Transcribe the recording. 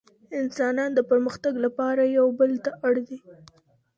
انسانان د پرمختګ لپاره يو بل ته اړ دي.